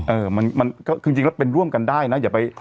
เออมันก็คือจริงแล้วเป็นร่วมกันได้นะอย่าไป